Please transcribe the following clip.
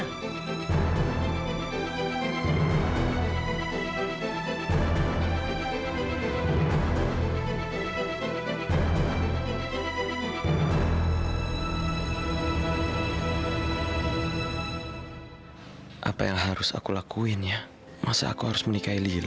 mama yang juga punya qué teh hal